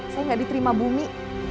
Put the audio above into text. saya gak diterima bumi